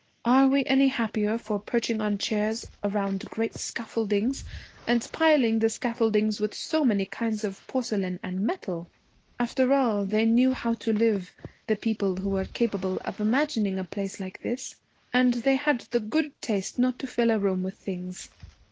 'Are we any happier for perching on chairs around great scaffoldings and piling the scaffoldings with so many kinds of porcelain and metal? After all, they knew how to live the people who were capable of imagining a place like this. And they had the good taste not to fill a room with things.